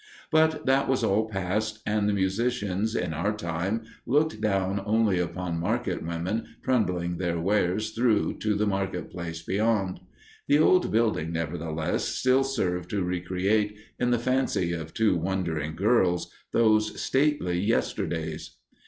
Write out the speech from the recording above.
But that was all past, and the musicians, in our time, looked down only upon market women trundling their wares through to the market place beyond. The old building, nevertheless, still served to re create, in the fancy of two wondering girls, those stately yesterdays.